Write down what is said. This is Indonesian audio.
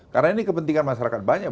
karena ini kepentingan masyarakat banyak